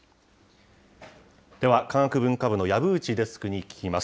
では科学文化部の籔内デスクに聞きます。